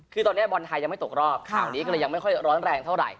คือตอนนี้บอลไทยยังไม่ตกรอบข่าวนี้ก็เลยยังไม่ค่อยร้อนแรงเท่าไหร